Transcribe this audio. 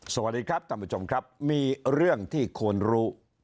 สวัสดีครับท่านผู้ชมครับมีเรื่องที่ควรรู้